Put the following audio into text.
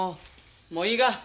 もういいが！